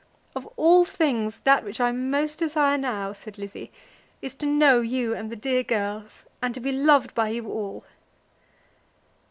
"Of all things that which I most desire now," said Lizzie, "is to know you and the dear girls, and to be loved by you all."